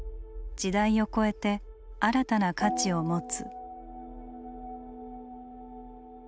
時代を超えて新たな価値を持つ。